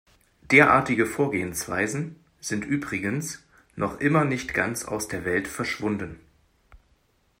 Derartige Vorgehensweisen sind übrigens noch immer nicht ganz aus der Welt verschwunden.